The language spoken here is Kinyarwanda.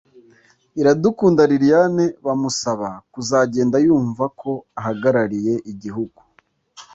Iradukunda Liliane bamusaba kuzagenda yumva ko ahagarariye igihugu